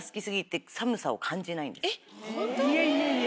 いやいやいや。